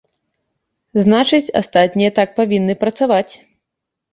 Значыць, астатнія так павінны працаваць.